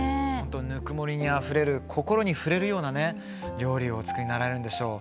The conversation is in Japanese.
ぬくもりあふれる心に触れるような料理をお作りになられるんでしょうね。